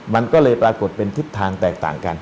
มันก็เลยปรากฏเป็นทิศทางแตกต่างกัน